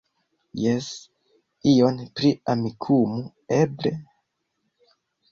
Jes, ion pri Amikumu, eble?